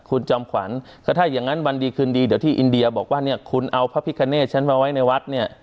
คุณจอมขวัญก็ถ้าอย่างนั้นวันดีคืนดีเดี๋ยวที่อินเดียบอกว่าเนี่ยคุณเอาพระพิคเนตฉันมาไว้ในวัดเนี่ย